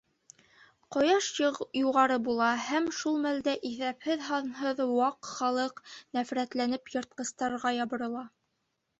Ҡояш юғары була һәм шул мәлдә иҫәпһеҙ-һанһыҙ Ваҡ Халыҡ нәфрәтләнеп йыртҡыстарға ябырыла.